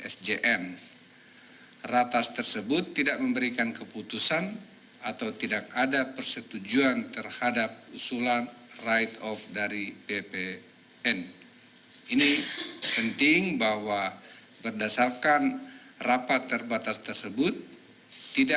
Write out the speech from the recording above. sjn ratas tersebut tidak memberikan keputusan atau tidak ada persetujuan terhadap usulan write off dari